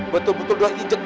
betul betul doang ijeng